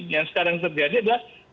yang sekarang terjadi adalah